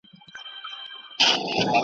زۀ داسې مات یمه چې سم مات یم